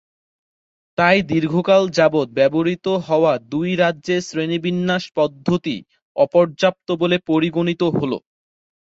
তাই, দীর্ঘকাল যাবৎ ব্যবহৃত হওয়া দুই রাজ্যের শ্রেণিবিন্যাস পদ্ধতি অপর্যাপ্ত বলে পরিগণিত হল।